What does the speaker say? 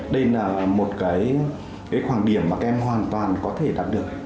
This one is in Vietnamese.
đây là một cái khoảng điểm mà các em hoàn toàn có thể đạt được